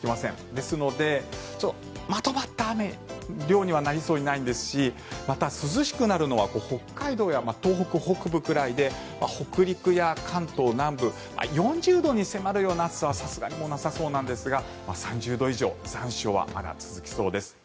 ですので、まとまった雨量にはなりそうにないですしまた、涼しくなるのは北海道や東北北部くらいで北陸や関東南部４０度に迫るような暑さはさすがにもうなさそうなんですが３０度以上残暑はまだ続きそうです。